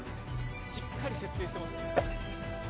しっかり設定してますね。